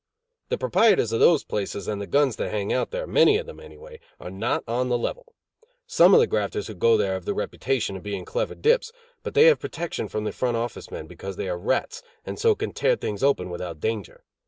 The proprietors of these places and the guns that hang out there, many of them anyway, are not on the level. Some of the grafters who go there have the reputation of being clever dips, but they have protection from the Front Office men because they are rats and so can tear things open without danger.